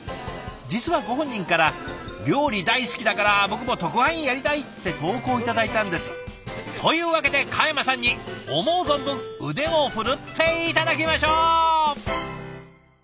実はご本人から「料理大好きだから僕も特派員やりたい」って投稿を頂いたんです。というわけで嘉山さんに思う存分腕を振るって頂きましょう！